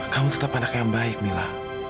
kamu tetap anak yang baik mila